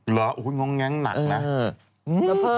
หรอคุณง้องแงงหนักนะ